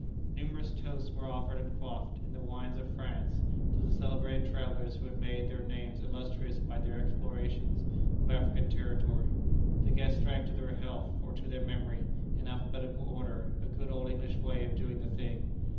Numerous toasts were offered and quaffed, in the wines of France, to the celebrated travellers who had made their names illustrious by their explorations of African territory. The guests drank to their health or to their memory, in alphabetical order, a good old English way of doing the thing.